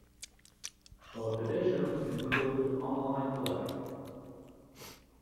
Both editions include online play.